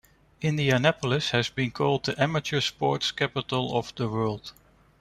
Indianapolis has been called the "Amateur Sports Capital of the World".